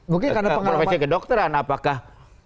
profesinya kedokteran apakah